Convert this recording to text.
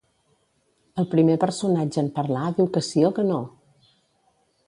El primer personatge en parlar diu que sí o que no?